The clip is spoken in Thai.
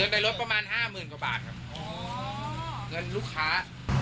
เงินในรถประมาณ๕หมื่นกว่าบาทครับเงินลูกค้า